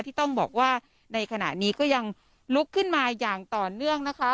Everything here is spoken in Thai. ที่ต้องบอกว่าในขณะนี้ก็ยังลุกขึ้นมาอย่างต่อเนื่องนะคะ